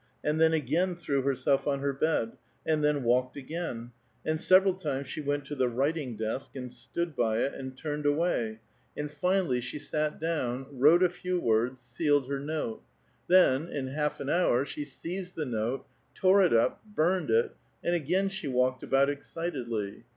and then again tlirew herself on her bed, and then ^^Iked again ; and several times she went to the writing ^^sk, and stood by it, and turned away, and finally she sat 1 McHmilui, 264 A VITAL QUESTION. down, wrote a few words, sealed her note. Then, in half an hour, she seized the note, tore it up, burned it, and again she walked al>out excitedly.